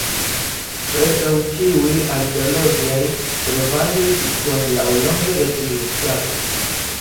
Preskaŭ ĉiuj arkeologiaj trovaĵoj situas laŭlonge de tiu strato.